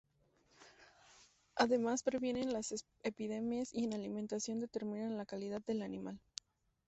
Además previenen las epidemias y en alimentación determinan la calidad del animal.